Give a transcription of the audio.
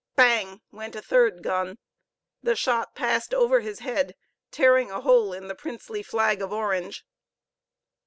Bang! went a third gun. The shot passed over his head, tearing a hole in the "princely flag of Orange."